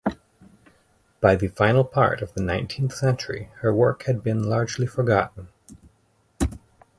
By the final part of the nineteenth century her work had been largely forgotten.